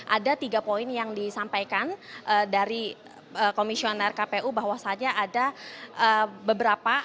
ada tiga poin yang disampaikan dari komisioner kpu bahwasanya ada beberapa